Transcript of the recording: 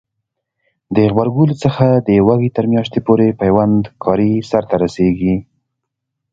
د غبرګولي څخه د وږي تر میاشتې پورې پیوند کاری سرته رسیږي.